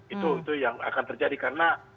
itu yang akan terjadi karena